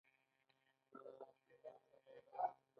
د تنزل په لور د ګټې د بیې تمایل